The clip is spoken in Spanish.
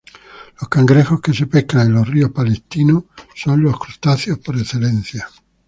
Los cangrejos que se pescan en los ríos palentinos son los crustáceos por excelencia.